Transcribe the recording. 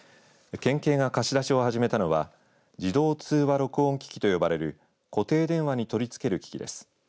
県警が貸し出しを始めたのは自動通話録音機器と呼ばれる固定電話に取りつける機器です。